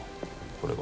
これは。